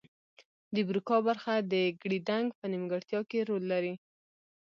د بروکا برخه د ګړیدنګ په نیمګړتیا کې رول لري